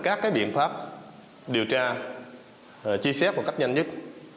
các biện pháp điều tra truy xét một cách nhanh nhất